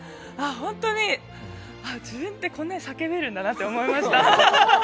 本当に、自分ってこんなに叫べるんだなって思いました。